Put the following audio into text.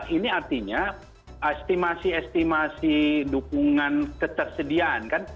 ini artinya estimasi estimasi dukungan ketersediaan kan